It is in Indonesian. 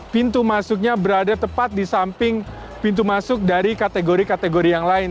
pintu masuknya berada tepat di samping pintu masuk dari kategori kategori yang lain